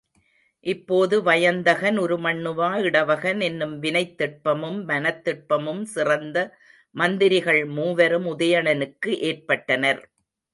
இப்போது வயந்தகன், உருமண்ணுவா, இடவகன் என்னும் வினைத் திட்பமும் மனத்திட்பமும் சிறந்த மந்திரிகள் மூவரும் உதயணனுக்கு ஏற்பட்டனர்.